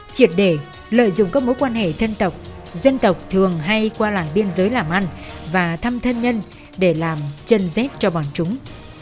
triệt để lợi dụng các mối quan hệ thân tộc dân tộc thường hay qua lại biên giới làm ăn và thăm thân nhân để làm chân dép cho bọn chúng